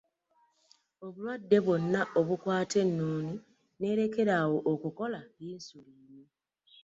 Obulwadde bwonna obukwata ennuuni n’erekera awo okukola Yinsuliini.